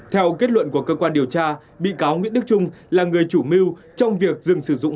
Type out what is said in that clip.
theo kết luận của cơ quan điều tra bị cáo nguyễn đức trung là người chủ mưu trong việc dừng sử dụng